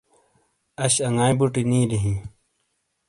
اش انگائی بٹی نیلی ہیں۔